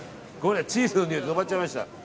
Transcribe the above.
チーズのにおいで止まっちゃいました。